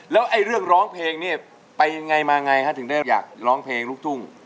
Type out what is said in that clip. แล้วไอ้เรื่องร้องเพลงเนี่ยไปยังไงมาไงฮะถึงได้อยากร้องเพลงลูกทุ่ง